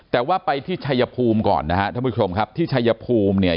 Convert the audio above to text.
แต่ว่าไปที่ชัยภูมิก่อนนะฮะท่านผู้ชมครับที่ชายภูมิเนี่ย